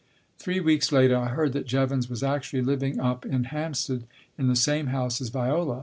Three weeks later I heard that Jevons was actually living up in Hampstead in the same house as Viola.